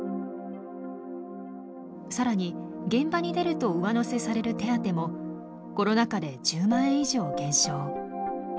更に現場に出ると上乗せされる手当もコロナ禍で１０万円以上減少。